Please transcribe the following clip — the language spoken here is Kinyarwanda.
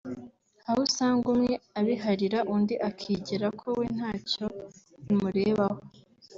aho usanga umwe abiharira undi akigira ko we ntacyo bimurebaho